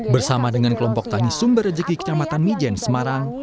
bersama dengan kelompok tani sumber rejeki kecamatan mijen semarang